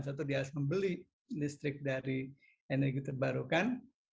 satu dia harus membeli listrik dari energi terbarukan